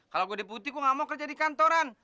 kalau gue udah putih gue nggak mau kerja di kantoran